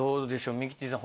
ミキティさん。